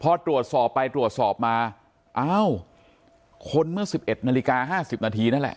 พอตรวจสอบไปตรวจสอบมาอ้าวคนเมื่อสิบเอ็ดนาฬิกาห้าสิบนาทีนั่นแหละ